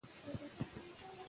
نفس وسوځول حتمي نه دي.